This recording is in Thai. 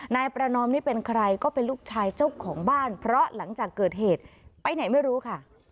นายประนอมนี่เป็นใครก็เป็นลูกชายเจ้าของบ้านเพราะหลังจากเกิดเหตุไปไหนไม่รู้ค่ะ